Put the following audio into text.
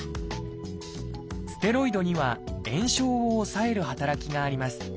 ステロイドには炎症を抑える働きがあります。